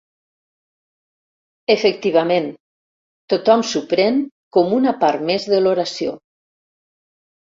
Efectivament, tothom s'ho pren com una part més de l'oració.